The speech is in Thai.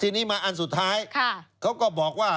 ทีนี้มาอันสุดท้ายเขาก็บอกว่า